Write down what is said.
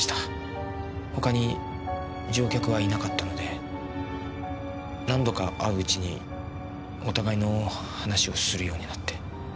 他に乗客はいなかったので何度か会う内にお互いの話をするようになって。